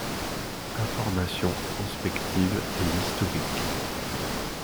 Information prospective et historique.